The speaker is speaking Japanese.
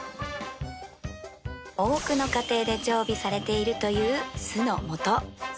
多くの家庭で常備されているという酢の素